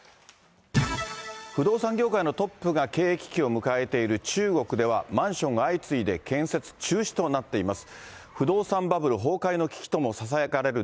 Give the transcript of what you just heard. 不動産業界のトップが経営危機を迎えている中国では、マンションが相次いで建設中止となっています。